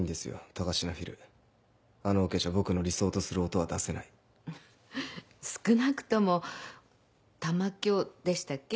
高階フィルあのオケじゃ僕の理想とする音は出せない少なくとも玉響でしたっけ？